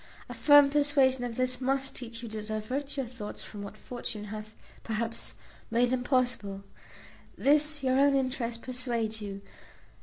A firm persuasion of this must teach you to divert your thoughts from what fortune hath (perhaps) made impossible. This your own interest persuades you.